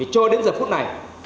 cho đến giờ phút này